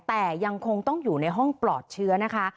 แต่ยังคงต้องอยู่ในห้องปลอดเชื้อนะคะ